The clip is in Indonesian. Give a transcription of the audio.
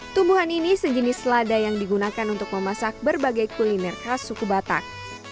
tumbuhan ini sejenis lada yang digunakan untuk memasak berbagai kuliner khas suku batak